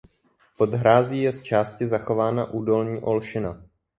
Pod hrází je z části zachována údolní olšina.